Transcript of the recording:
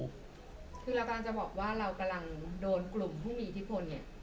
คือเรากำลังจะบอกว่าเรากำลังโดนกลุ่มผู้มีอิทธิพลเนี่ย